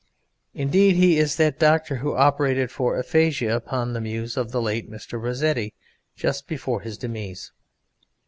Indeed, he is that doctor who operated for aphasia upon the Muse of the late Mr. Rossetti just before his demise.